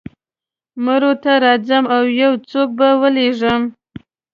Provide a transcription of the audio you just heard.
مرو ته راځم او یو څوک به ولېږم.